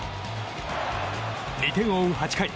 ２点を追う８回。